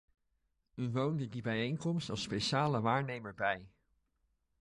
U woonde die bijeenkomst als speciale waarnemer bij.